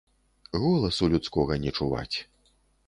Голасу людскога не чуваць.